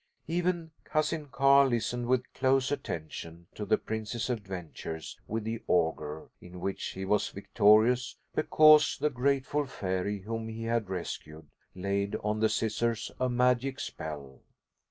Even Cousin Carl listened with close attention to the prince's adventures with the Ogre, in which he was victorious, because the grateful fairy whom he had rescued laid on the scissors a magic spell.